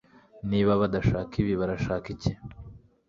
Niba badashaka ibi barashaka iki